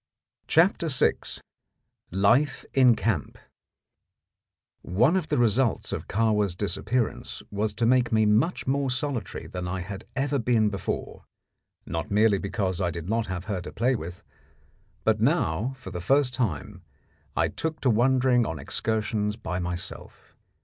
CHAPTER VI LIFE IN CAMP One of the results of Kahwa's disappearance was to make me much more solitary than I had ever been before, not merely because I did not have her to play with, but now, for the first time, I took to wandering on excursions by myself.